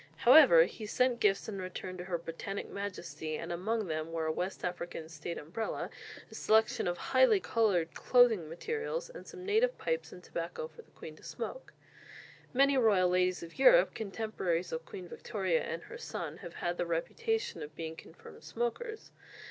However, he sent gifts in return to her Britannic Majesty, and among them were a West African state umbrella, a selection of highly coloured clothing materials, and some native pipes and tobacco for the Queen to smoke. Many royal ladies of Europe, contemporaries of Queen Victoria and her son, have had the reputation of being confirmed smokers.